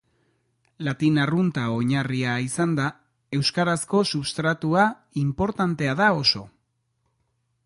Latin arrunta oinarria izanda, euskarazko substratua inportantea da oso.